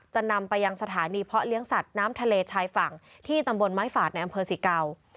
นำไปยังสถานีเพาะเลี้ยงสัตว์น้ำทะเลชายฝั่งที่ตำบลไม้ฝาดในอำเภอศรีเก่า